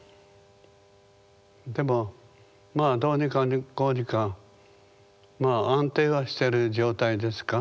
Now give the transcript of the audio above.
でもまあどうにかこうにかまあ安定はしてる状態ですか？